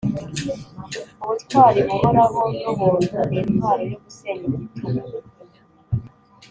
ubutwari buhoraho n' ubumuntu ni intwaro yo gusenya igitugu.